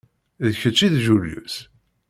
D kečč i d Julius?